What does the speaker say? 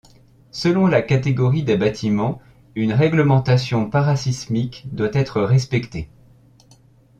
Selon la catégorie des bâtiments, une réglementation parasismique doit être respectée.